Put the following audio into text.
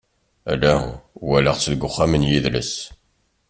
Ala, walaɣ-tt deg wexxam n yidles.